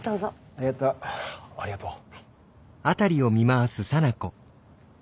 あっありがとう。